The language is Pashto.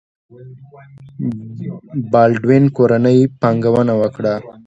بالډوین کورنۍ پانګونه وکړه.